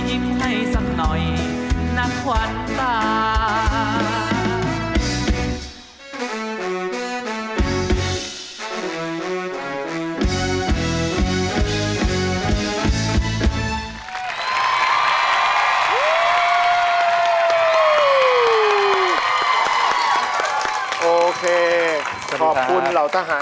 ยิ้มให้สักหน่อยนะขวัญตา